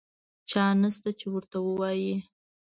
چا نشته چې ورته ووایي.